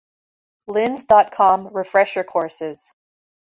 Linns dot com "Refresher Courses"